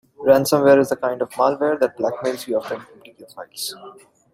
Ransomware is the kind of malware that blackmails you after encrypting your files.